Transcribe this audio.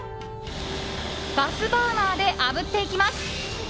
ガスバーナーであぶっていきます。